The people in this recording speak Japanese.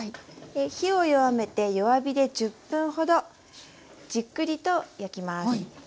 火を弱めて弱火で１０分ほどじっくりと焼きます。